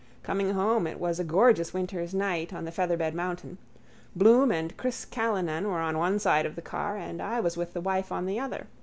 Coming home it was a gorgeous winter's night on the Featherbed Mountain. Bloom and Chris Callinan were on one side of the car and I was with the wife on the other.